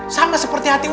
sangat seperti hati ustadz